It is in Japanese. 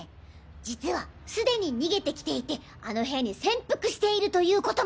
実は既に逃げてきていてあの部屋に潜伏しているということも。